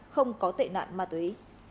không có tệ nạn ma túy